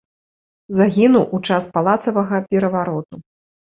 Загінуў у час палацавага перавароту.